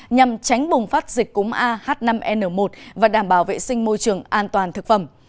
nhằm tránh bùng phát dịch cúng a h năm n một và đảm bảo vệ sinh môi trường an toàn thực phẩm